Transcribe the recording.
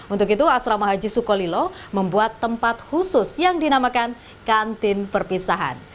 untuk itu asrama haji sukolilo membuat tempat khusus yang dinamakan kantin perpisahan